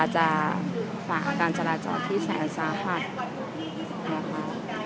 จะฝ่าการจราจรที่แสนสาหัสนะคะ